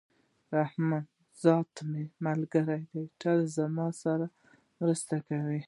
رحمان ذات مي ملګری دئ! تل زما سره مرسته کوي.